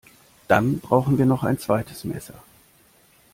Dann brauchen wir noch ein zweites Messer